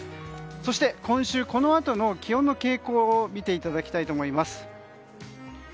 そして、今週このあとの気温の傾向を見ていただきたいと思います。